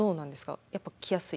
やっぱ来やすい？